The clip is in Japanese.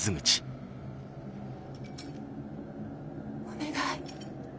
お願い